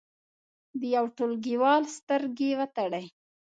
د یو ټولګیوال سترګې وتړئ.